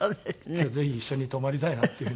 今日ぜひ一緒に泊まりたいなっていう。